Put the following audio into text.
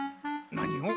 何を？